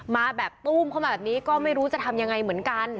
มาแบบตู้มเข้ามาแบบนี้ก็ไม่รู้จะทำยังไงเหมือนกัน